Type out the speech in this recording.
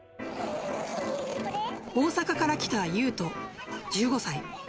大阪から来たユウト１５歳。